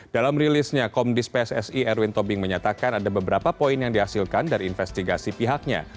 dalam rilisnya komdis pssi erwin tobing menyatakan ada beberapa poin yang dihasilkan dari investigasi pihaknya